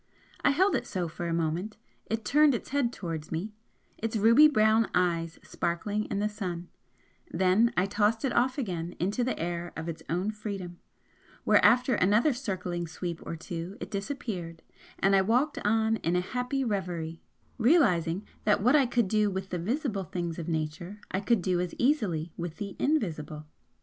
I held it so for a moment it turned its head towards me, its ruby brown eyes sparkling in the sun then I tossed it off again into the air of its own freedom, where after another circling sweep or two it disappeared, and I walked on in a happy reverie, realising that what I could do with the visible things of Nature I could do as easily with the invisible.